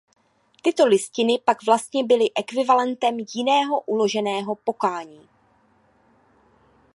Tyto listiny pak vlastně byly ekvivalentem jiného uloženého pokání.